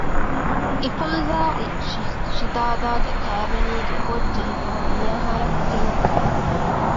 އިފާޒާއި ސިދާދާގެ ކައިވެނީގެ ގޮށްޖެހިފަހުން މިއަހަރަށް ތިން އަހަރު